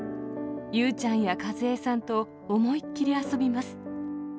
裕ちゃんや和枝さんと思いっ切り遊びます。